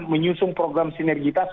menyusung program sinergitas